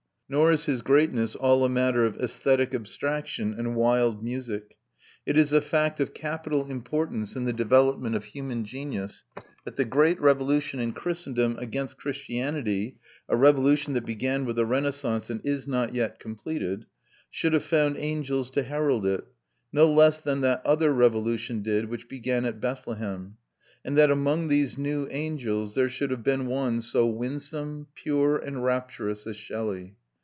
Nor is his greatness all a matter of æsthetic abstraction and wild music. It is a fact of capital importance in the development of human genius that the great revolution in Christendom against Christianity, a revolution that began with the Renaissance and is not yet completed, should have found angels to herald it, no less than that other revolution did which began at Bethlehem; and that among these new angels there should have been one so winsome, pure, and rapturous as Shelley.